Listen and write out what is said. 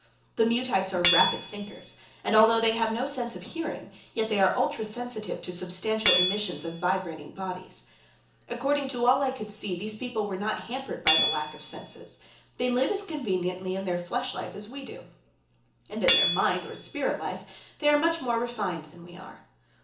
The Muteites are rapid thinkers, and although they have no sense of hearing, yet they are ultra sensitive to substantial emissions of vibrating bodies. According to all I could see, these people were not hampered by this lack of senses. They live as conveniently in their flesh life as we do, and in their mind or spirit life they are much more refined than we are.